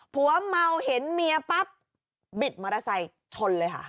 ผัวเมาเห็นเมียปั๊บบิดมอเตอร์ไซค์ชนเลยค่ะ